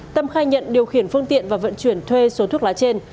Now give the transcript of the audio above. tâm khai nhận điều khiển phương tiện và vận chuyển thuê số thuốc lá trên